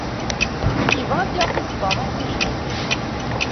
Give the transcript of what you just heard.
Yebɣa ad d-yaɣ tisebbaḍin tijdidin.